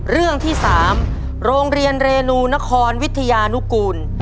เรื่องที่๓โรงเรียนเรนูนครวิทยานุกูล